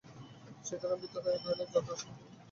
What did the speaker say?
সীতারাম ভীত হইয়া কহিল, যাত্রার সময় কী অমঙ্গল।